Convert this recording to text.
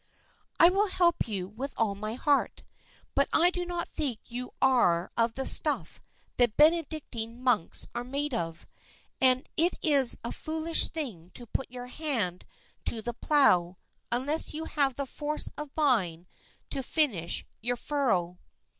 "I will help you with all my heart; but I do not think you are of the stuff that Benedictine monks are made of; and it is a foolish thing to put your hand to the plough, unless you have the force of mind to finish your furrow."